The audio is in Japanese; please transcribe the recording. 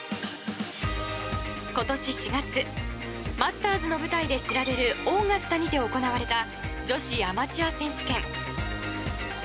今年４月マスターズの舞台で知られるオーガスタにて行われた女子アマチュア選手権。